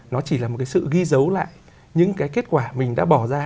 nó chỉ là một cái sự ghi dấu lại những cái kết quả mình đã bỏ ra